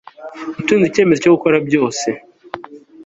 utunze icyemezo cyo gukora byose